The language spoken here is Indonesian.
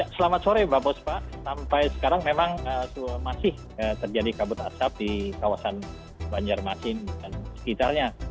selamat sore mbak bospa sampai sekarang memang masih terjadi kabut asap di kawasan banjarmasin dan sekitarnya